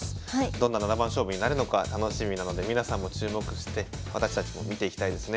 どんな七番勝負になるのか楽しみなので皆さんも注目して私たちも見ていきたいですね。